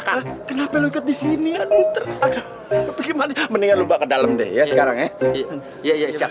kenapa lu ikat di sini aduh gimana mendingan lu ke dalam deh ya sekarang ya